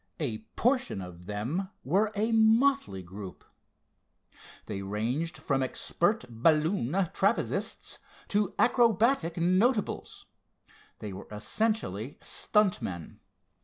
A portion of them were a motley group. They ranged from expert balloon trapezists to acrobatic notables. They were essentially "stunt" men.